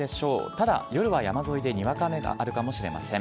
ただ夜は山沿いでにわか雨があるかもしれません。